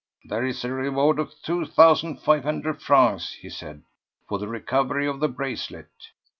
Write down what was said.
"There is a reward of two thousand five hundred francs," he said, "for the recovery of the bracelet.